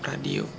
terima kasih ya